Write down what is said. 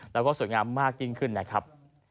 แล้วก็สวยงามมากยิ่งขึ้นนะครับ